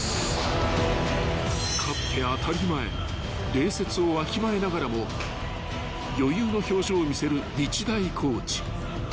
［礼節をわきまえながらも余裕の表情を見せる日大コーチ］